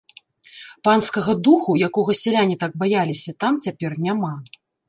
Панскага духу, якога сяляне так баяліся, там цяпер няма.